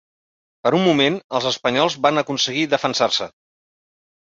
Per un moment, els espanyols van aconseguir defensar-se.